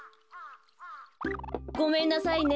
ごめんなさいね。